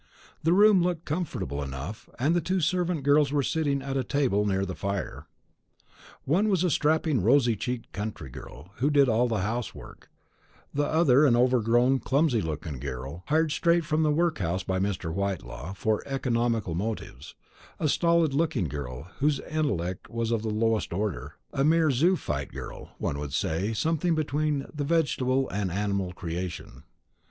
The room looked comfortable enough, and the two servant girls were sitting at a table near the fire. One was a strapping rosy cheeked country girl, who did all the household work; the other an overgrown clumsy looking girl, hired straight from the workhouse by Mr. Whitelaw, from economical motives; a stolid looking girl, whose intellect was of the lowest order; a mere zoophyte girl, one would say something between the vegetable and animal creation.